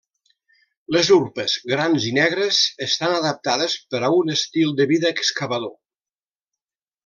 Les urpes grans i negres estan adaptades per a un estil de vida excavador.